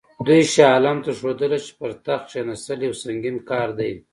دوی شاه عالم ته ښودله چې پر تخت کښېنستل یو سنګین کار دی.